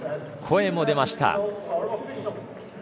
声も出ました。